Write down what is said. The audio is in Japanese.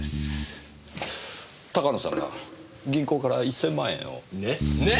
鷹野さんが銀行から１千万円を？ね？ね？